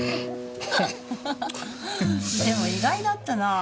でも意外だったなぁ。